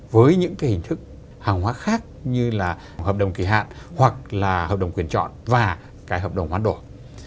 với những cái hình thức hàng hóa khác như là hợp đồng kỳ hạn hoặc là hợp đồng quyền chọn và cái hợp đồng hoán đổi